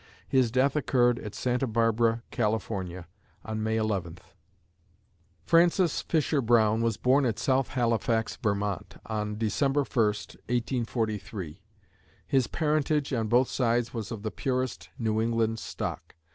His death occurred at Santa Barbara, California, on May 11. Francis Fisher Browne was born at South Halifax, Vermont, on December 1, 1843. His parentage, on both sides, was of the purest New England stock.